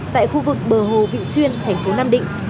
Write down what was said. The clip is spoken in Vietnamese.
tại khu vực bờ hồ vị xuyên tp nam định